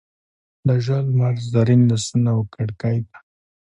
د ژړ لمر زرین لاسونه وکړکۍ ته،